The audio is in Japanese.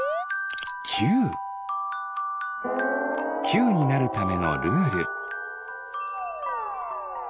きゅうになるためのルール。